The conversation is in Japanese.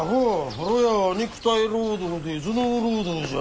風呂屋は肉体労働で頭脳労働じゃ。